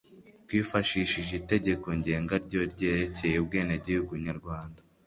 Twifashishije itegeko ngenga ryo ryerekeye ubwenegihugu Nyarwanda,